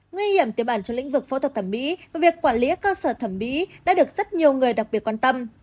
nguy hiểm tiêu bản trong lĩnh vực phẫu thuật thẩm mỹ và việc quản lý các cơ sở thẩm mỹ đã được rất nhiều người đặc biệt quan tâm